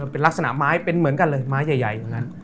เป็นลักษณะไม้เป็นเหมือนกันเลย